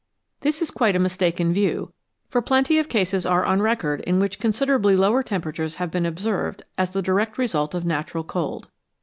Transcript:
This is quite a mistaken view, for plenty of cases are on record in which considerably lower temperatures have been observed as the direct result of natural cold.